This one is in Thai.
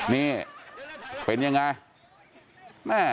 นี่เป็นอย่างไร